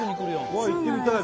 うわ行ってみたい